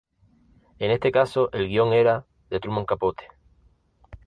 En este caso el guion era de Truman Capote.